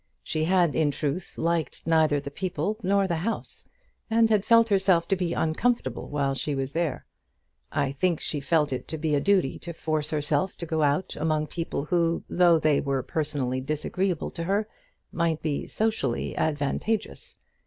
She had, in truth, liked neither the people nor the house, and had felt herself to be uncomfortable while she was there. I think she felt it to be a duty to force herself to go out among people who, though they were personally disagreeable to her, might be socially advantageous.